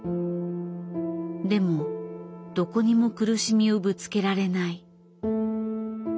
でもどこにも苦しみをぶつけられない。